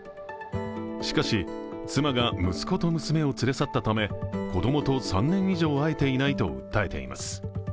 しかし、妻が息子と娘を連れ去ったため子供と３年以上会えていないと訴えています。